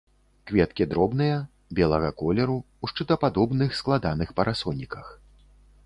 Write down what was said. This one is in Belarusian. Кветкі дробныя, белага колеру, у шчытападобных складаных парасоніках.